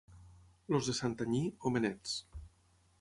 Els de Santanyí, homenets.